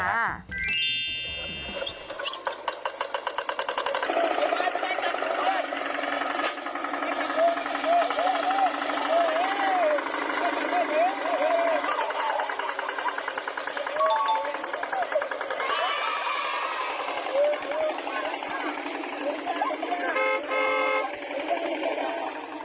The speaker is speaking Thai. โอ้โห